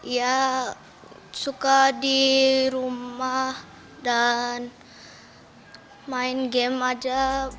ya suka di rumah dan main game aja